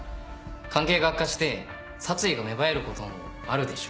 関係が悪化して殺意が芽生えることもあるでしょう。